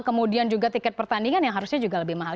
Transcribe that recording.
kemudian juga tiket pertandingan yang harusnya juga lebih mahal